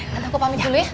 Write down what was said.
tante aku pamit dulu ya